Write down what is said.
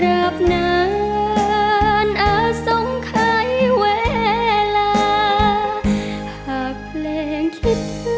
แม้จะเหนื่อยหล่อยเล่มลงไปล้องลอยผ่านไปถึงเธอ